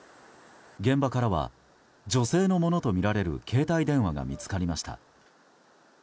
現場からは女性のものとみられる携帯電話が見つかりました。